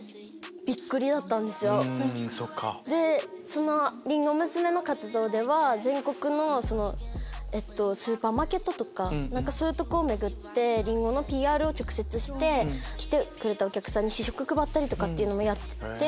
そのりんご娘の活動では全国のスーパーマーケットとかそういうとこを巡ってリンゴのＰＲを直接して来てくれたお客さんに試食配ったりとかもやって。